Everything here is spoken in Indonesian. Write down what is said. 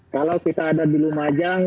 kalau kita ada di lumajang